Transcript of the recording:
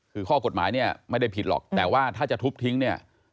คือข้อกฎหมายเนี่ยไม่ได้ผิดหรอกแต่ว่าถ้าจะทุบทิ้งเนี่ย